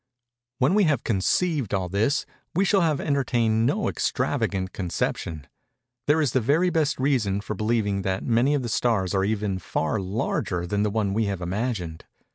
When we have conceived all this, we shall have entertained no extravagant conception. There is the very best reason for believing that many of the stars are even far larger than the one we have imagined.